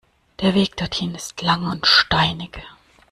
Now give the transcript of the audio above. Der Weg dorthin ist lang und steinig.